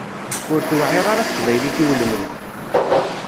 Ur tewεir ara teqbaylit i ulmad.